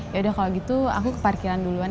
yaudah kalau gitu aku ke parkiran duluan ya